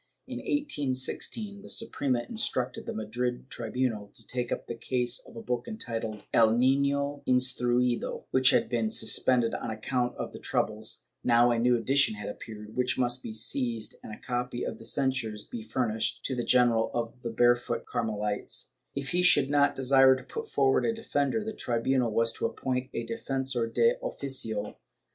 In 1816 the Suprema instruc ted the Madrid tribunal to take up the case of a book entitled "El Nino instruido," which had been suspended on account of the troubles; now a new edition had appeared, which must be seized and a copy of the censures be furnished to the General of the Barefooted Carmelites; if he should not desire to put forward a defender, the tribunal was to appoint a defensor de oficio.